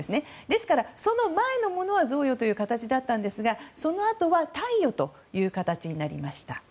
ですからその前のものは贈与という形だったんですがそのあとは貸与という形になりました。